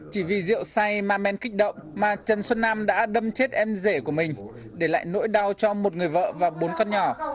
chỉ vì rượu say ma men kích động mà trần xuân nam đã đâm chết em rể của mình để lại nỗi đau cho một người vợ và bốn con nhỏ